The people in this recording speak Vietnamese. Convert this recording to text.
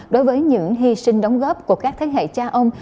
đối với những hy sinh đóng góp của các thế hệ cha ông